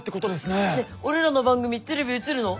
ねっ俺らの番組テレビ映るの？